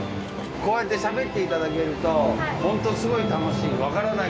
こうやってしゃべっていただけるとホントすごい楽しい。